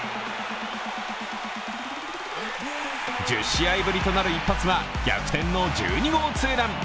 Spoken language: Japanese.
１０試合ぶりとなる一発は逆転の１２号ツーラン。